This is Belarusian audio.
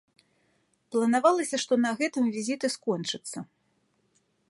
Планавалася, што на гэтым візіт і скончыцца.